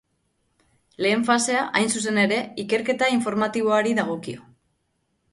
Lehen fasea, hain zuzen ere, ikerketa informatiboari dagokio.